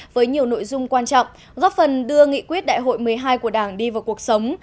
với nhiều nội dung quan trọng góp phần đưa nghị quyết đại hội một mươi hai của đảng đi vào cuộc sống